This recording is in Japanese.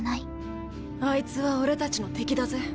あいつは俺たちの敵だぜ。